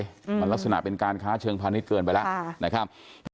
มันลักษณะเป็นการค้าเชิงพาณิชยเกินไปแล้วนะครับ